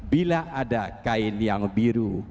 bila ada kain yang biru